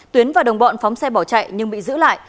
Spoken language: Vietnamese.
tuyến và đồng bọn phóng xe bỏ chạy nhưng bị giữ lại